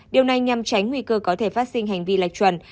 điều này nhằm tránh nguy cơ có thể phát sinh hành vi lệch chuẩn